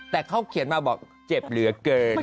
แต่เขาเขียนมาบอกเจ็บเหลือเกิน